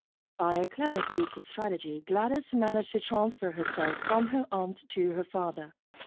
By a clever piece of strategy Gladys managed to transfer herself from her aunt to her father.